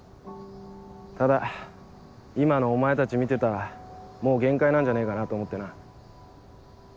ただ今のお前たち見てたらもう限界なんじゃねえかなと思ってな。